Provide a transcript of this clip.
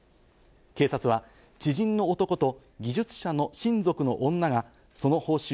警察は知人の男と技術者の親族の女がその報酬